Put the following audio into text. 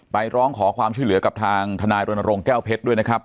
ร้องขอความช่วยเหลือกับทางทนายรณรงค์แก้วเพชรด้วยนะครับ